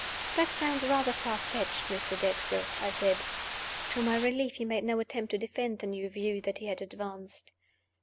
"That sounds rather far fetched, Mr. Dexter," I said. To my relief, he made no attempt to defend the new view that he had advanced.